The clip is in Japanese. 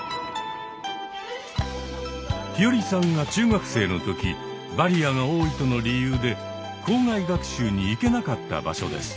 陽葵さんが中学生の時バリアが多いとの理由で校外学習に行けなかった場所です。